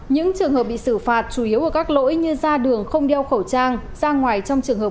những trường hợp bị xử phạt chủ yếu ở các lỗi như ra đường không đeo khẩu trang ra ngoài trong trường hợp